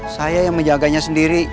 saya yang menjaganya sendiri